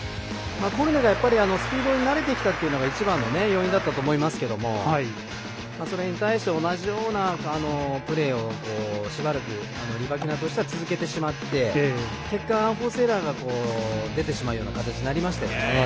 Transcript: コルネがスピードに慣れてきたっていうのが一番の要因だったと思いますけどそれに対して同じようなプレーをしばらくリバキナとしては続けてしまって結果、アンフォーストエラーが出てしまうような形になりましたよね。